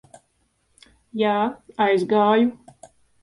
Jā, aizgāju.